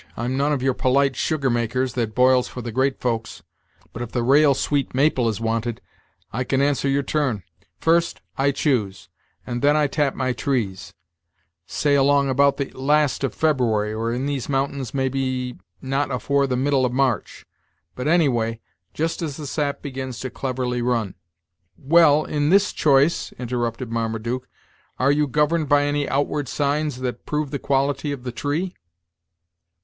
I'm none of your polite sugar makers, that boils for the great folks; but if the raal sweet maple is wanted, I can answer your turn. First, I choose, and then I tap my trees; say along about the last of February, or in these mountains maybe not afore the middle of March; but anyway, just as the sap begins to cleverly run " "Well, in this choice," interrupted Marmaduke, "are you governed by any outward signs that prove the quality of the tree?"